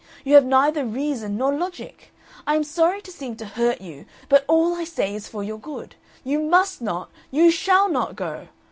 You have neither reason nor logic. I am sorry to seem to hurt you, but all I say is for your good. You MUST not, you SHALL not go.